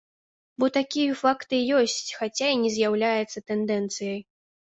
Бо такія факты ёсць, хаця і не з'яўляюцца тэндэнцыяй.